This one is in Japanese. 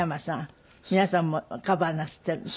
皆さんもカバーなすってるんですってね。